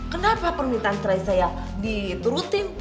kenapa permintaan cerai saya diturutin